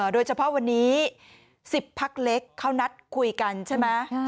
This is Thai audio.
โดยเฉพาะวันนี้๑๐พักเล็กเขานัดคุยกันใช่ไหม